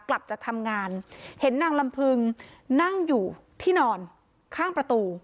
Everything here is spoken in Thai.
กลับจากทำงานเห็นนางลำพึงนั่งอยู่ที่นอนข้างประตู